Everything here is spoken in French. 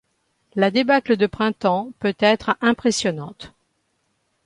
La débâcle de printemps peut être impressionnante.